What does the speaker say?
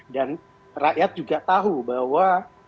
dan rakyat juga tahu bahwa partai demokrat